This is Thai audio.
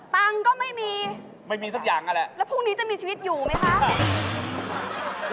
ตังค์ก็ไม่มีแล้วพรุ่งนี้จะมีชีวิตอยู่ไหมคะไม่มีสักอย่างนั่นแหละ